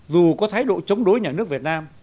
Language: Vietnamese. dù có thái độ chống đối nhà nước việt nam